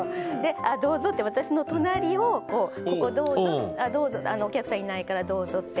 あどうぞって私の隣をこうここどうぞお客さんいないからどうぞって。